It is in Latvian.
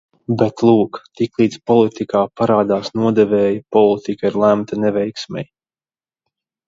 Bet, lūk, tiklīdz politikā parādās nodevēji, politika ir lemta neveiksmei.